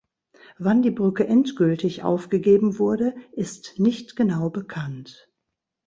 Wann die Brücke endgültig aufgegeben wurde, ist nicht genau bekannt.